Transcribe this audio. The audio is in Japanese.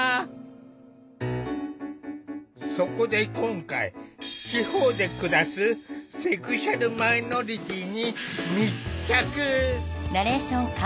そこで今回地方で暮らすセクシュアルマイノリティーに密着。